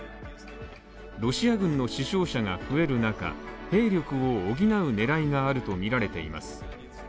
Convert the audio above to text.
ロシア軍の死傷者が増える中、兵力を補う狙いがあるとみられています。